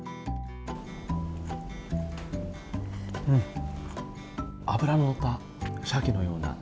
うん、脂の乗った鮭のような。